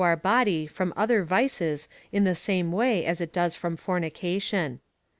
our body from otlier vices in the same wayi as it does from fornication.